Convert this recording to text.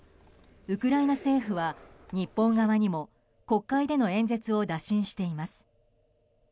ウクライナ政府は日本側にも国会での演説を打診しています。